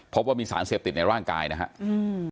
พบว่ามีสารเสพติดในร่างกายนะครับ